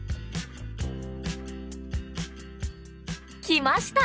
きました！